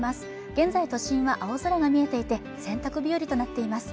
現在都心は青空が見えていて洗濯日和となっています